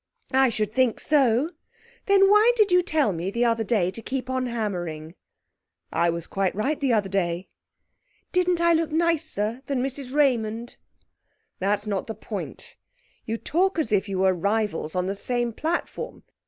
'I should think so! Then why did you tell me the other day to keep on hammering?' 'I was quite right the other day.' 'Didn't I look nicer than Mrs Raymond?' 'That's not the point. You talk as if you were rivals on the same platform.